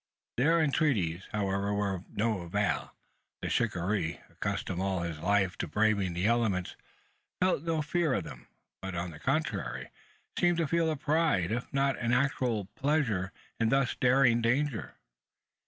Their entreaties, however, were of no avail. The shikaree, accustomed all his life to braving the elements, felt no fear of them; but on the contrary, seemed to feel a pride, if not an actual pleasure, in thus daring danger.